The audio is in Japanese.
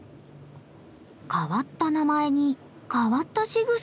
変わった名前に変わったしぐさのネコ。